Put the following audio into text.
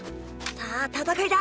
さぁ戦いだ！